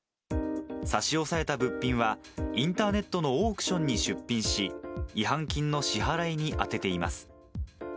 差し押さえた物品は、インターネットのオークションに出品し、違反金の支払いに充てています。